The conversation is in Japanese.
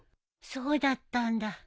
そうだったんだ。